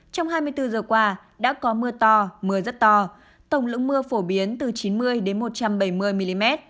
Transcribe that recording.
trong hai mươi bốn giờ qua đã có mưa to mưa rất to tổng lượng mưa phổ biến từ chín mươi đến một trăm bảy mươi mm